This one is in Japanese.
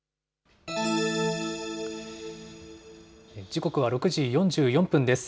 時刻は６時４４分です。